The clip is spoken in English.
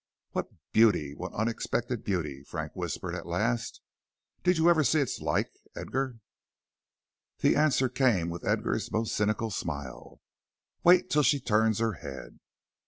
"What beauty! What unexpected beauty!" Frank whispered at last. "Did you ever see its like, Edgar?" The answer came with Edgar's most cynical smile: "Wait till she turns her head."